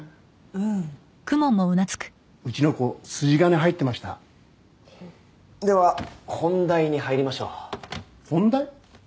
うんうちの子筋金入ってましたでは本題に入りましょう本題？